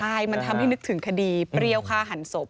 ใช่มันทำให้นึกถึงคดีเปรี้ยวฆ่าหันศพ